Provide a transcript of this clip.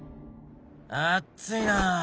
あっついな。